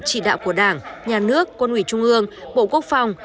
chỉ đạo của đảng nhà nước quân ủy trung ương bộ quốc phòng